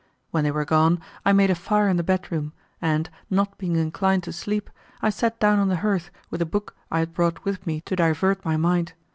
When they were gone I made a fire in the bedroom, and, not being inclined to sleep, I sat down on the hearth with a book I had brought with me to divert my mind.